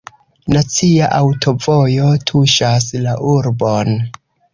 Nacia aŭtovojo tuŝas la urbon.